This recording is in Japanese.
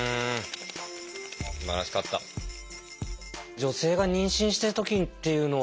女性が妊娠してる時っていうのは。